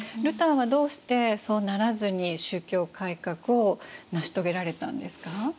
ルターはどうしてそうならずに宗教改革を成し遂げられたんですか？